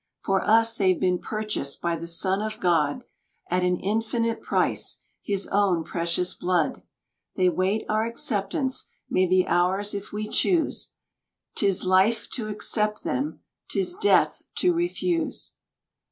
For us they've been purchased by the Son of God, At an infinite price his own precious blood. They wait our acceptance, may be ours if we choose, 'Tis life to accept them, 'tis death to refuse.